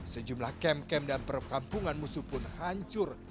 sejumlah kem kem dan perut kampungan musuh pun hancur